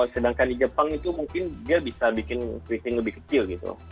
sedangkan di jepang itu mungkin dia bisa bikin keriting lebih kecil gitu